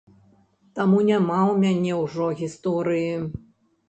Таму няма ў мяне ўжо гісторыі.